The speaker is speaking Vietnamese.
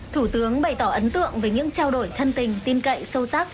thủ tướng bày tỏ ấn tượng về những trao đổi thân tình tin cậy sâu sắc